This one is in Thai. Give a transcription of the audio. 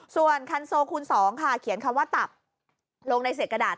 ส่วนคันโซคูณ๒ค่ะเขียนคำว่าตับลงในเศษกระดาษ